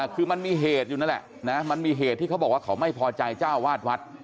คือมันมีเหตุอยู่นั่นแหละนะมันมีเหตุที่เขาบอกว่าเขาไม่พอใจเจ้าวาดวัด